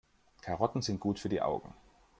Karotten sind gut für die Augen.